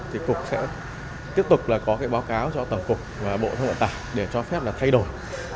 thì cục sẽ tiếp tục có báo cáo cho tổng cục và bộ giao thông vận tải để cho phép thay đổi